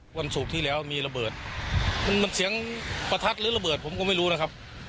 วันศุกร์ที่แล้วมีระเบิดมันเสียงประทัดหรือระเบิดผมก็ไม่รู้นะครับ